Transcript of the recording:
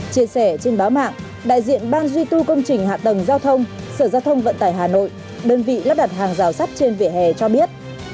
chia sẻ trên báo mạng đại diện ban duy tu công trình hạ tầng giao thông sở giao thông vận tải hà nội đơn vị lắp đặt hàng rào sắt trên vỉa hè cho biết